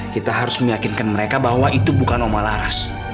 kita harus meyakinkan mereka bahwa itu bukan noma laras